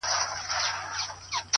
ژوند که ورته غواړې وایه وسوځه،